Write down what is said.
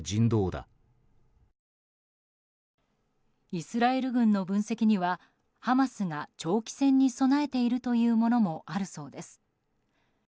イスラエル軍の分析にはハマスが長期戦に備えているというものもあるそうです。